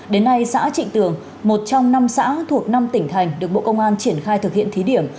đến nay xã trịnh tường một trong năm xã thuộc năm tỉnh thành được bộ công an triển khai thực hiện thí điểm